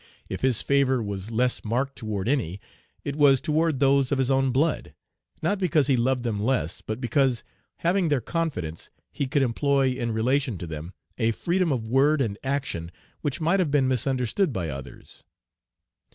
If his favor was less marked toward any, it was toward those of his own blood; not because he loved them less, but because, having their confidence, he could employ in relation to them a freedom of word and action which might have been misunderstood by others.